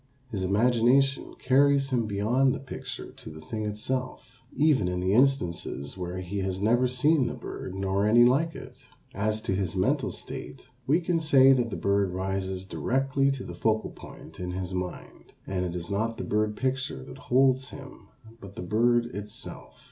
His imagination carries him beyond the picture to the thing itself, even in the instances where he has never seen the bird nor any like it. As to his mental state, we can say that the bird rises directly to the focal point in his mind, and it is not the bird picture that holds him but the bird itself.